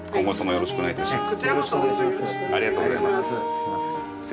よろしくお願いします。